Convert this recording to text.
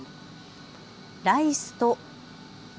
ライスと。